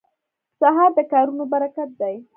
سهار د کارونو برکت دی.